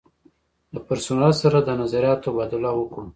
له پرسونل سره د نظریاتو تبادله وکړو.